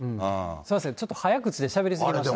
すみません、ちょっと早口でしゃべり過ぎましたね。